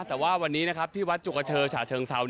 แต่ว่าวันนี้นะครับที่วัฒน์จุกเจิร์ชาเชิงเศร้า